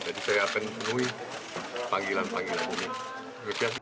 jadi saya akan menunuhi panggilan panggilan ini